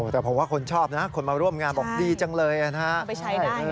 แต่เพราะว่าคนชอบนะครับคนมาร่วมงานบอกดีจังเลยนะครับ